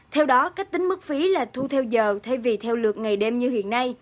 theo đó cách tính mức phí là thu theo giờ thay vì theo lượt ngày đêm như hiện nay